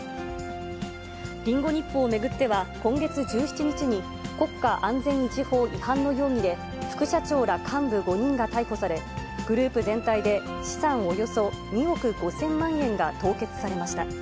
リンゴ日報を巡っては、今月１７日に、国家安全維持法違反の容疑で、副社長ら幹部５人が逮捕され、グループ全体で資産およそ２億５０００万円が凍結されました。